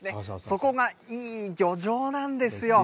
そこがいい漁場なんですよ。